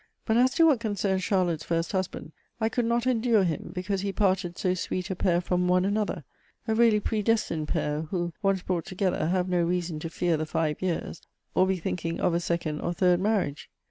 " But as to what concerns Char lotte's first husband, I could not endure him, because he parted so sweet a pair from one another — a really pre destined pair, who, once brought together, have no reason to fear the five years, or be thinking of a second or third marriage."